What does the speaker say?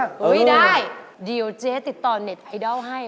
ได้เดี๋ยวเจ๊ติดต่อเน็ตไอดอลให้